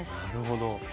なるほど。